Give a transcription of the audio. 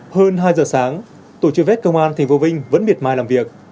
hơn hai giờ sáng tổ truy vết công an tp vinh vẫn miệt mài làm việc